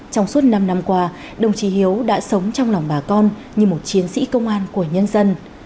trong suốt năm năm qua đồng chí hiếu đã sống trong lòng bà con như một chiến sĩ công an của nhân dân